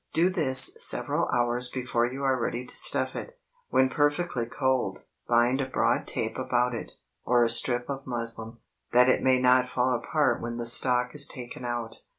Do this several hours before you are ready to stuff it. When perfectly cold, bind a broad tape about it, or a strip of muslin, that it may not fall apart when the stalk is taken out.